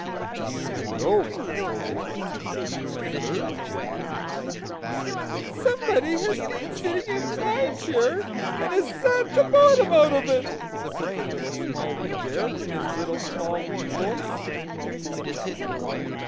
And you know what Goldilocks had done to the third chair. "SOMEBODY HAS BEEN SITTING IN MY CHAIR AND HAS SAT THE BOTTOM OUT OF IT!" said the Little Small Wee Bear, in his little, small, wee voice.